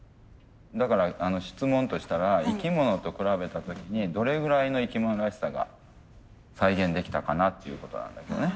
だから質問としたら生き物と比べた時にどれぐらいの生き物らしさが再現できたかなっていうことなんだけどね。